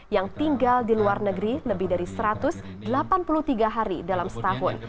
yang tinggal di luar negeri lebih dari satu ratus delapan puluh tiga hari dalam setahun